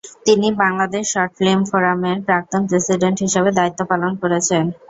তিনি Bangladesh short film ফোরামের প্রাক্তন প্রেসিডেন্ট হিসেবে দায়িত্ব পালন করেছেন।